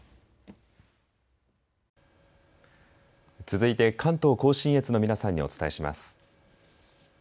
続いて関東甲信越の皆さんにお伝えします。